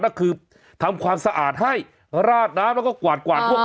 ก็คือทำความสะอาดให้ราดน้ำแล้วก็กวาดกวาดพวก